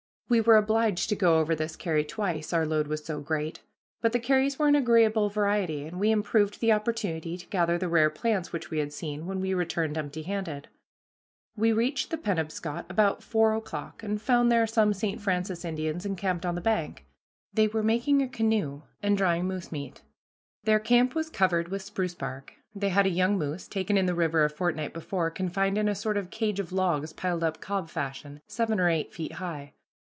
We were obliged to go over this carry twice, our load was so great. But the carries were an agreeable variety, and we improved the opportunity to gather the rare plants which we had seen, when we returned empty handed. We reached the Penobscot about four o'clock, and found there some St. Francis Indians encamped on the bank. They were making a canoe and drying moose meat. Their camp was covered with spruce bark. They had a young moose, taken in the river a fortnight before, confined in a sort of cage of logs piled up cob fashion, seven or eight feet high.